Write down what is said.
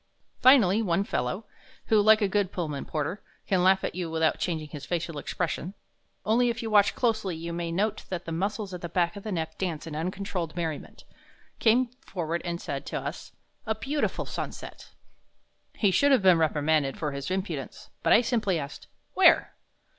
Finally one fellow who, like a good Pullman porter, can laugh at you without changing his facial expression, only if you watch closely you may note that the muscles at the back of the neck dance in uncontrolled merriment came forward and said to us: "A beautiful sunset." He should have been reprimanded for his impudence, but I simply asked, "Where?"